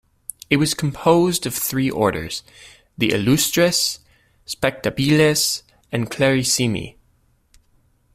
It was composed of three orders, the "illustres", "spectabiles" and "clarissimi".